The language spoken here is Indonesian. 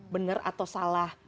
benar atau salah